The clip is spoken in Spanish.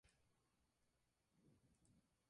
Los estilos son rígidos y sobresalen de las flores.